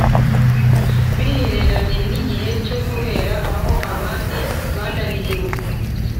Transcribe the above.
bihereranye n igihe cyo guhera aho abandi bananiriwe